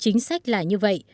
chính sách là như vậy